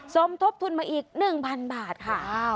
สมทบทุนมาอีก๑๐๐๐บาทค่ะ